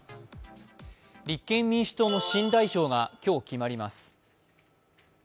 立憲民主党の新代表が今日決まります。